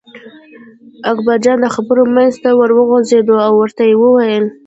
اکبرجان د خبرو منځ ته ور وغورځېد او ورته یې وویل.